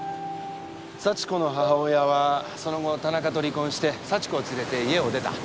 幸子の母親はその後田中と離婚して幸子を連れて家を出た。